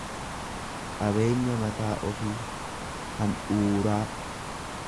qabeenya mataa ofii, handhuuraa.